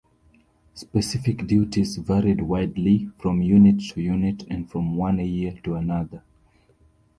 Specific duties varied widely from unit to unit and from one year to another.